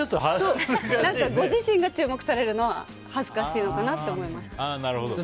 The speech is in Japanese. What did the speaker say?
ご自身が注目されるのは恥ずかしいのかなと思いました。